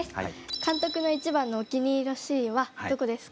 監督の一番のお気に入りのシーンはどこですか？